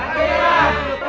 ngarti lupa deh